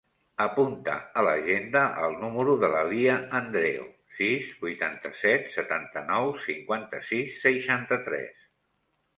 Apunta a l'agenda el número de la Lya Andreo: sis, vuitanta-set, setanta-nou, cinquanta-sis, seixanta-tres.